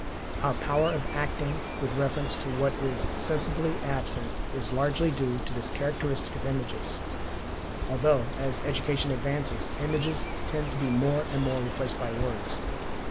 Our power of acting with reference to what is sensibly absent is largely due to this characteristic of images, although, as education advances, images tend to be more and more replaced by words.